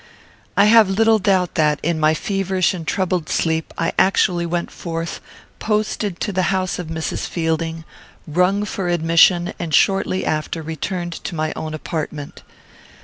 I have little doubt that, in my feverish and troubled sleep, I actually went forth, posted to the house of Mrs. Fielding, rung for admission, and shortly after returned to my own apartment.